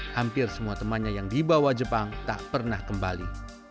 hampir semua temannya yang dibawa jepang tak pernah kembali